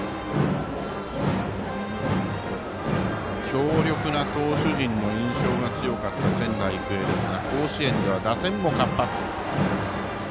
強力な投手陣の印象が強かった仙台育英ですが甲子園では打線も活発。